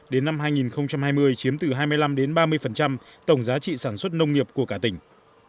đến năm hai nghìn hai mươi chiếm từ hai mươi năm ba mươi tổng giá trị sản xuất nông nghiệp của cả tỉnh